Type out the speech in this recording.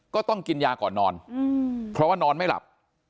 ก็ต้องกินยาก่อนนอนเพราะว่านอนไม่หลับ